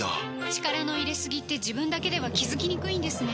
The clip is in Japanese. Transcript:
力の入れすぎって自分だけでは気付きにくいんですね